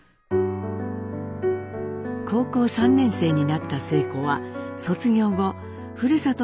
高校３年生になった晴子は卒業後ふるさと